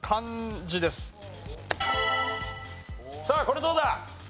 さあこれどうだ？